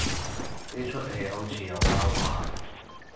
呢齣戲好似有撈話